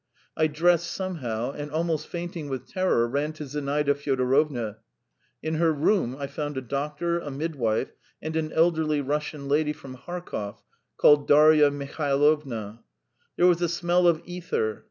I dressed somehow, and almost fainting with terror ran to Zinaida Fyodorovna. In her room I found a doctor, a midwife, and an elderly Russian lady from Harkov, called Darya Milhailovna. There was a smell of ether.